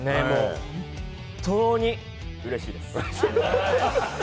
本当にうれしいです。